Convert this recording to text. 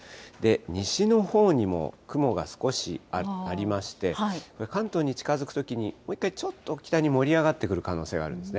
西のほうにも雲が少しありまして、これ、関東に近づくときに、もう一回、ちょっと北に盛り上がってくる可能性があるんですね。